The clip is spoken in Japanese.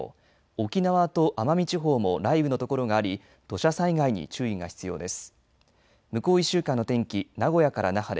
沖縄と奄美地方も雷雨の所があり土砂災害に注意が必要です。